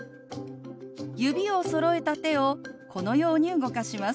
指をそろえた手をこのように動かします。